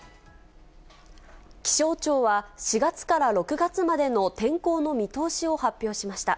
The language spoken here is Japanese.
気象庁は、４月から６月までの天候の見通しを発表しました。